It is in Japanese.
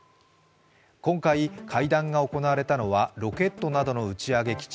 今回、会談が行われたのはロケットなどの打ち上げ基地